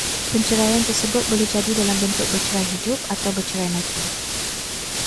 Perceraian tersebut boleh jadi dalam bentuk bercerai hidup atau bercerai mati